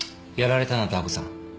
やられたなダー子さん。